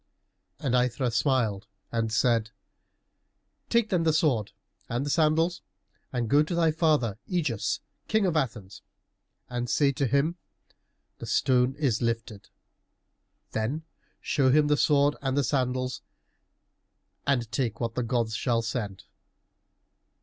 And Aithra smiled and said, "Take, then, the sword and the sandals and go to thy father Ægeus, King of Athens, and say to him, 'The stone is lifted!' Then show him the sword and the sandals, and take what the gods shall send."